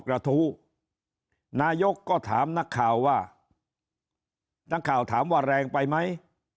กระทู้นายกก็ถามนักข่าวว่านักข่าวถามว่าแรงไปไหม